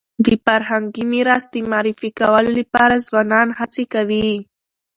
د فرهنګي میراث د معرفي کولو لپاره ځوانان هڅي کوي